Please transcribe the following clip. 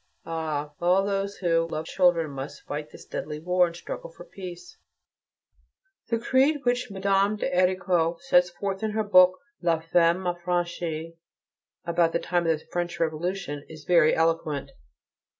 Ah! all those who love children must fight in this deadly war, and struggle for peace: The creed which Mme. de Héricourt sets forth in her book, "La Femme Affranchie," about the time of the French Revolution, is very eloquent.